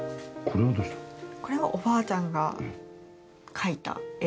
これはおばあちゃんが描いた絵です。